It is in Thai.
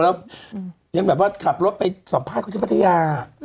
แล้วยังแบบว่ากลับรถไปสัมภาษณ์กับพระเจ้าปรัฐยา